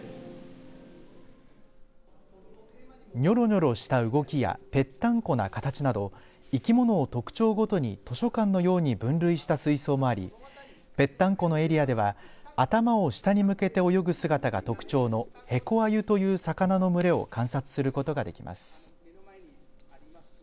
にょろにょろした動きやぺったんこな形など生き物を特徴ごとに図書館のように分類した水槽もありぺったんこのエリアでは頭を下に向けて泳ぐ姿が特徴のヘコアユという魚の群れを観察することができます。